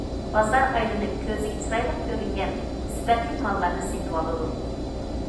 بازار ئايلىنىپ كۆزىگە چىرايلىق كۆرۈنگەن سۈپەتلىك ماللارنى سېتىۋالىدۇ.